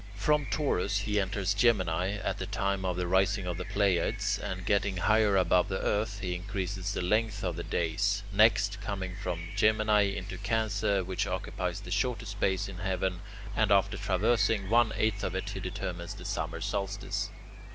From Taurus he enters Gemini at the time of the rising of the Pleiades, and, getting higher above the earth, he increases the length of the days. Next, coming from Gemini into Cancer, which occupies the shortest space in heaven, and after traversing one eighth of it, he determines the summer solstice.